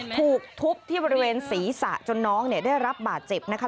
ถูกทุบที่บริเวณศีรษะจนน้องเนี่ยได้รับบาดเจ็บนะคะ